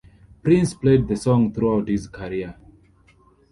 Prince played the song throughout his career.